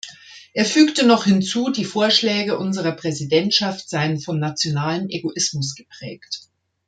Er fügte noch hinzu, die Vorschläge unserer Präsidentschaft seien von nationalem Egoismus geprägt.